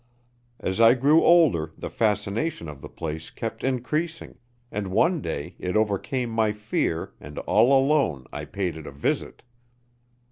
As I grew older the fascination of the place kept increasing, and one day it overcame my fear and all alone I paid it a visit.